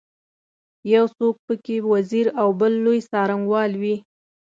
یو څوک په کې وزیر او بل لوی څارنوال وي.